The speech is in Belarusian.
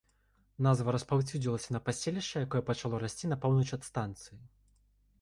Назва распаўсюдзілася і на паселішча, якое пачало расці на поўнач ад станцыі.